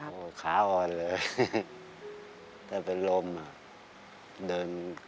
คุณหมอบอกว่าเอาไปพักฟื้นที่บ้านได้แล้ว